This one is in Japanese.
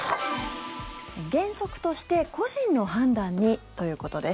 原則として個人の判断にということです。